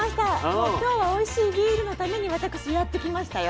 もう今日はおいしいビールのために私やって来ましたよ。